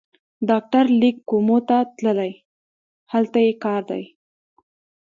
ډاکټر لېک کومو ته تللی، هلته یې کار دی.